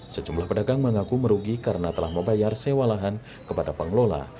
sejumlah pedagang mengaku merugi karena telah membayar sewa lahan kepada pengelola